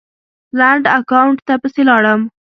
لنډ اکاونټ ته پسې لاړم